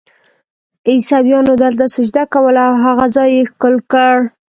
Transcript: عیسویانو دلته سجده کوله او هغه ځای یې ښکل کړ.